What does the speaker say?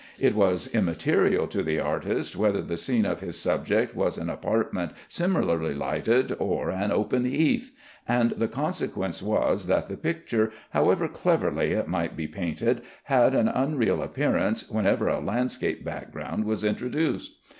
It was immaterial to the artist whether the scene of his subject was an apartment similarly lighted, or an open heath; and the consequence was that the picture, however cleverly it might be painted, had an unreal appearance whenever a landscape background was introduced.